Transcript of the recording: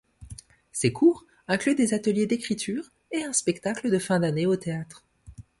Ces cours incluent des ateliers d'écriture et un spectacle de fin d'année au théâtre.